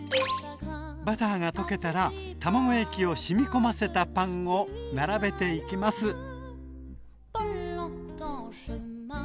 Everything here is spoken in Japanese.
バターが溶けたら卵液を染みこませたパンを並べていきます。